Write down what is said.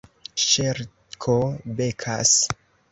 Ŝerko Bekas